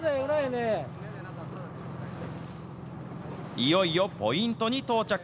いよいよポイントに到着。